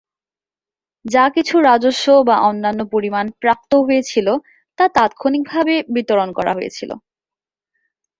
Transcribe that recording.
যা কিছু রাজস্ব বা অন্যান্য পরিমাণ প্রাপ্ত হয়েছিল তা তাৎক্ষণিকভাবে বিতরণ করা হয়েছিল।